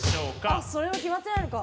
あそれも決まってないのか。